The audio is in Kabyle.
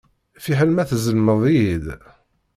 Fiḥel ma tzellmeḍ-iyi-d.